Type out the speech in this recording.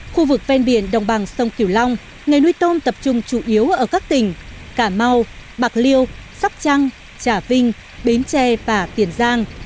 khu vực ven biển đồng bằng sông kiều long nghề nuôi tôm tập trung chủ yếu ở các tỉnh cà mau bạc liêu sóc trăng trà vinh bến tre và tiền giang